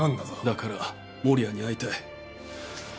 だから守谷に会いたい。